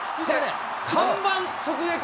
看板直撃。